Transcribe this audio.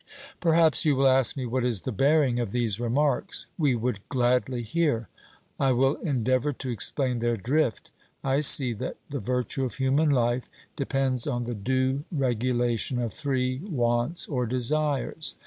Perhaps you will ask me what is the bearing of these remarks? 'We would gladly hear.' I will endeavour to explain their drift. I see that the virtue of human life depends on the due regulation of three wants or desires.